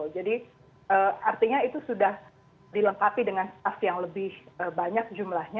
jadi artinya itu sudah dilengkapi dengan staf yang lebih banyak jumlahnya